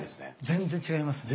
全然違いますね。